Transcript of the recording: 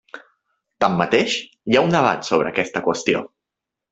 Tanmateix, hi ha un debat sobre aquesta qüestió.